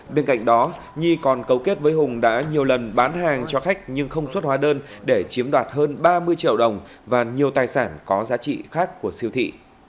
bên cạnh đó nhi còn cấu kết với hùng đã nhiều lần bán hàng cho khách nhưng không xuất hóa đơn để chiếm đoạt hơn ba mươi triệu đồng và nhiều tài sản có giá trị khác của siêu thị